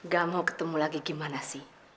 gak mau ketemu lagi gimana sih